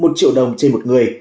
một triệu đồng trên một người